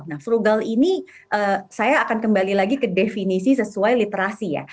nah frugal ini saya akan kembali lagi ke definisi sesuai literasi ya